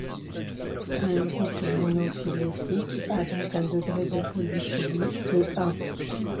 Un groupe monophylétique a donc un degré de polyphylie de un.